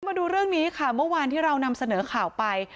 มาดูเรื่องนี้ค่ะเมื่อวานที่เรานำเสนอข่าวไป